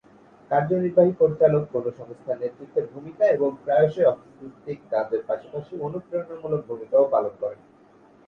কার্যনির্বাহী পরিচালক কোনও সংস্থার নেতৃত্বের ভূমিকা এবং প্রায়শই অফিস-ভিত্তিক কাজের পাশাপাশি অনুপ্রেরণামূলক ভূমিকাও পালন করেন।